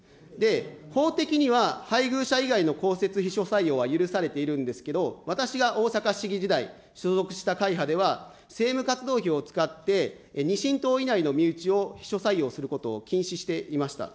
法的には配偶者以外の公設秘書採用は許されているんですけど、私が大阪市議時代、所属した会派では、政務活動費を使って２親等以内の身内を秘書採用することを禁止していました。